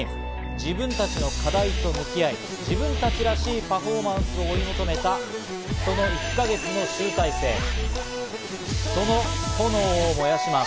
自分たちの課題と向き合い、自分たちらしいパフォーマンスを追い求めた、その１か月の集大成、その炎を燃やします。